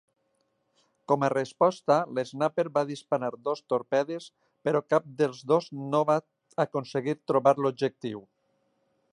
Com a resposta, l'Snapper va disparar dos torpedes, però cap dels dos no va aconseguir trobar l'objectiu.